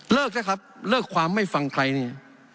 เถอะครับเลิกความไม่ฟังใครนี่